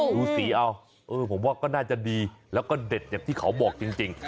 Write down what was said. ดูสีเอาผมว่าก็น่าจะดีแล้วก็เด็ดอย่างที่เขาบอกจริง